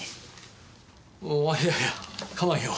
あいやいや構わんよ。